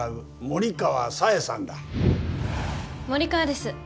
森川です。